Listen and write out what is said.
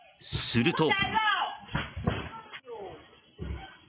すると。